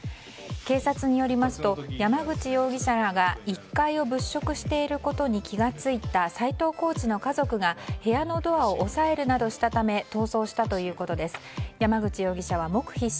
警察によりますと山口容疑者らが１階を物色していることに気が付いた斎藤コーチの家族が部屋のドアを押さえるなどしたため逃走したということです。